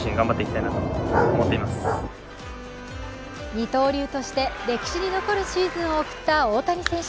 二刀流として歴史に残るシーズンを送った大谷選手。